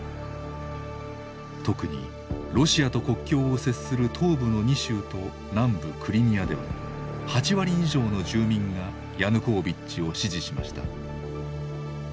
特にロシアと国境を接する東部の２州と南部クリミアでは８割以上の住民がヤヌコービッチを支持しました。